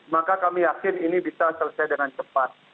maka kami yakin ini bisa selesai dengan cepat